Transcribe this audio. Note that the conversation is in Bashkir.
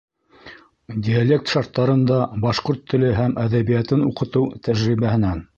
Диалект шарттарында башҡорт теле һәм әҙәбиәтен уҡытыу тәжрибәһенән.